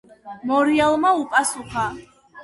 მორიელმა უპასუხა: